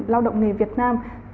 lao động nghề việt nam